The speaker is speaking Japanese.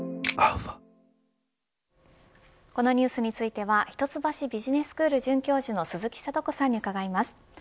このニュースについては一橋ビジネススクール准教授の鈴木智子さんに伺います。